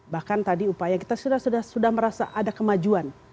bahkan tadi upaya kita sudah merasa ada kemajuan